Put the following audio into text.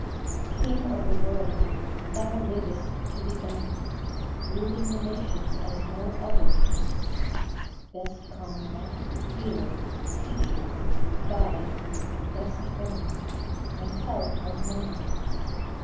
King of the world, thou livest to the end, Ruling the nations as no other can ; Best comrade, healer, teacher, guide, best friend And help of man.